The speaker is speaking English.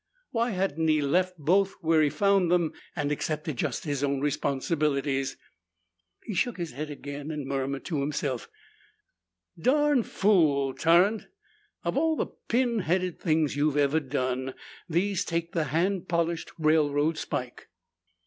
Why hadn't he left both where he found them and accepted just his own responsibilities? He shook his head again and murmured to himself, "Darn fool! Tarrant, of all the pinheaded things you've ever done, these take the hand polished railroad spike!"